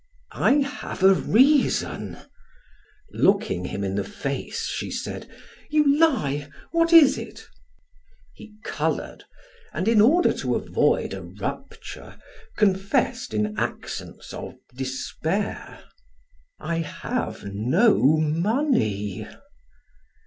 "I have a reason " Looking him in the face, she said: "You lie! What is it?" He colored, and in order to avoid a rupture, confessed in accents of despair: "I have no money!"